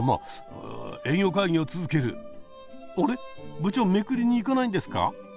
部長めくりに行かないんですか？